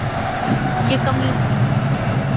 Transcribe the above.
کیا کمی تھی۔